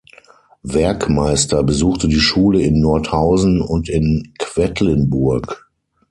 Werckmeister besuchte die Schule in Nordhausen und in Quedlinburg.